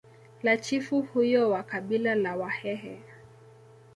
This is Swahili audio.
la chifu huyo wa kabila la wahehe